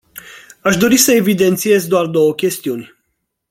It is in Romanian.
Aș dori să evidențiez doar două chestiuni.